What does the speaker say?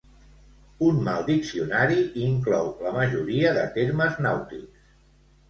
Un mal diccionari inclou la majoria de termes nàutics.